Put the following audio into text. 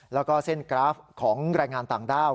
แล้วก็เส้นกราฟของแรงงานต่างด้าว